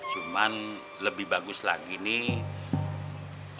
cuman lebih bagus lagi nih